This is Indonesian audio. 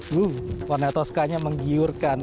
wuh warna toskanya menggiurkan